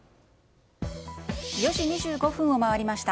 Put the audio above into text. ４時２５分を回りました。